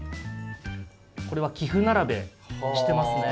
これは棋譜並べしてますね。